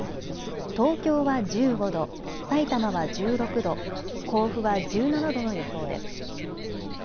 東京は１５度、さいたまは１６度、甲府は１７度の予想です。